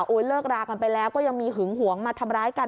เลิกรากันไปแล้วก็ยังมีหึงหวงมาทำร้ายกัน